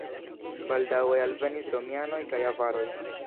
Baldaŭe alvenis romianoj kaj avaroj.